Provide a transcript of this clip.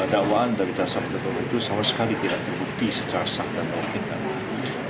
dakwaan dari dasar pengetahuan itu sama sekali tidak dibukti secara sah dan menghentikan